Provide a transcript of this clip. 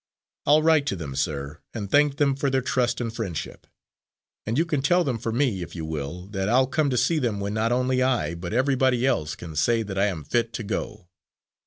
I'll write to them, sir, and thank them for their trust and friendship, and you can tell them for me, if you will, that I'll come to see them when not only I, but everybody else, can say that I am fit to go."